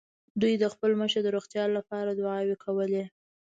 دوی د خپل مشر د روغتيا له پاره دعاوې کولې.